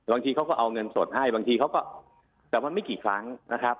บางทีเขาก็เอาเงินสดให้แต่มันไม่กี่ครั้งนะครับ